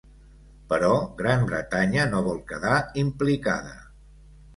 Però Gran Bretanya no vol quedar implicada.